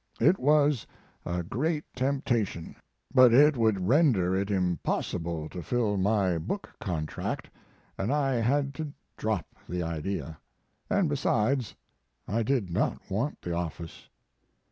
It was a great temptation, but it would render it impossible to fill my book contract, and I had to drop the idea.... And besides I did not want the office.